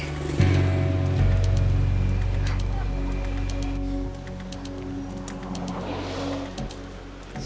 kayaknya gak mungkin deh